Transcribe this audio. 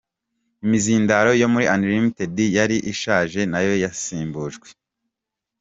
Imizindaro yo muri Unlimited yari ishaje nayo yasimbujwe.